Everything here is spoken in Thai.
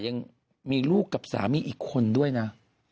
ยังมีลูกกับสามีอีกคนด้วยนะ